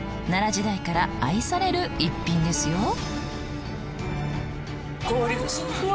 奈良時代から愛される逸品ですよ！